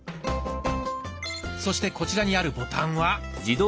そしてこちらにあるボタンは。